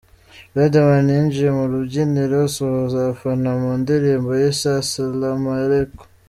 Riderman yinjiye ku rubyiniro asuhuza abafana mu ndirimbo yise ’Asalam Aleikum’.